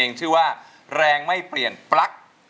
ชื่อว่าแรงไม่เปลี่ยนปลั๊ก